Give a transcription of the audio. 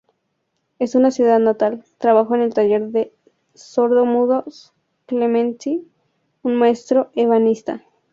En su ciudad natal, trabajó en el taller del sordo-mudos Clementi, un maestro ebanista.